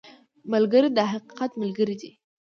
ملګری د حقیقت ملګری دی